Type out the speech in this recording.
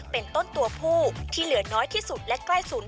เป็นต้นตัวผู้ที่เหลือน้อยที่สุดและใกล้ศูนย์